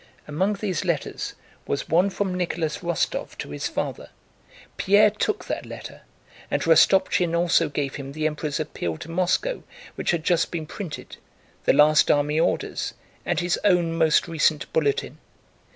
Among these letters was one from Nicholas Rostóv to his father. Pierre took that letter, and Rostopchín also gave him the Emperor's appeal to Moscow, which had just been printed, the last army orders, and his own most recent bulletin.